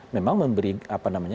memang memberi apa namanya